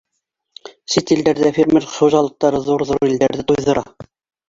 Сит илдәрҙә фермер хужалыҡтары ҙур-ҙур илдәрҙе туйҙыра!